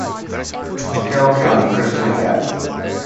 Carroll County Christian Acad.